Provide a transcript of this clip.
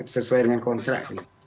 sesuai dengan kontrak